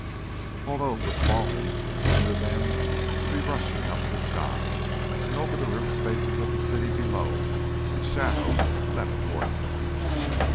Although it was falling it seemed to them to be rushing up the sky, and over the roof spaces of the city below its shadow leapt towards them.